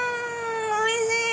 おいしい！